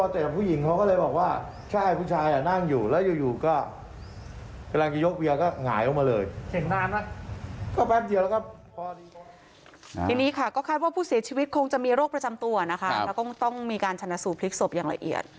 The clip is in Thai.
ทีนี้ค่ะก็คาดว่าผู้เสียชีวิตคงจะมีโรคประจำตัวนะคะแล้วก็ต้องมีการชนะสูตรพลิกศพอย่างละเอียด